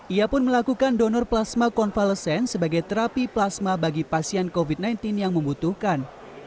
ia pun melakukan donor plasma konvalesen sebagai terapi plasma bagi pasien covid sembilan belas yang membutuhkan